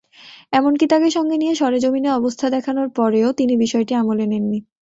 এমনকি তাঁকে সঙ্গে নিয়ে সরেজমিনে অবস্থা দেখানোর পরও তিনি বিষয়টি আমলে নেননি।